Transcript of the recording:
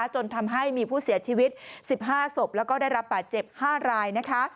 จนทำให้มีผู้เสียชีวิต๑๕ศพและได้รับป่าเจ็บ๕ราย